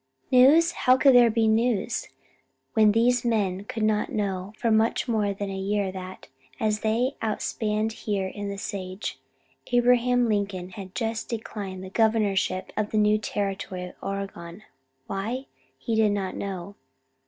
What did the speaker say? News? How could there be news, when these men could not know for much more than a year that, as they outspanned here in the sage, Abraham Lincoln had just declined the governorship of the new territory of Oregon? Why? He did not know.